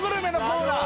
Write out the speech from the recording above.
コーナー